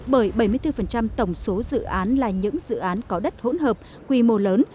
bởi bảy mươi bốn tổng số dự án là những dự án có đất hỗn hợp quy mô lớn